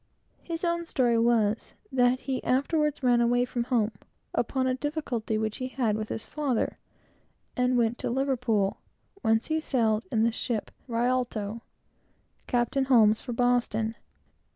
His own story was, that he afterwards ran away from home, upon a difficulty which he had with his father, and went to Liverpool, whence he sailed in the ship Rialto, Captain Holmes, for Boston.